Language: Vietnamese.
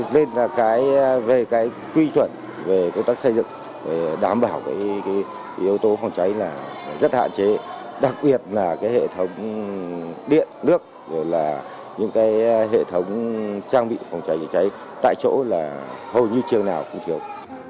nên về cái quy chuẩn về công tác xây dựng đảm bảo yếu tố phòng cháy là rất hạn chế đặc biệt là hệ thống điện nước những hệ thống trang bị phòng cháy chữa cháy tại chỗ là hầu như trường nào cũng thiếu